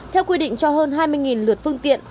theo quy định cho hơn hai mươi lượt phương tiện